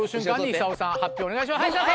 ひさおさん発表お願いします。